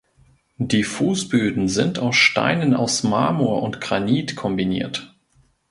Die Fußböden sind aus Steinen aus Marmor und Granit kombiniert.